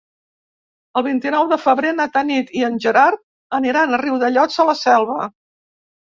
El vint-i-nou de febrer na Tanit i en Gerard aniran a Riudellots de la Selva.